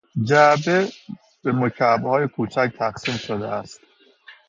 جعبه به مکعبهای کوچک تقسیم شده است.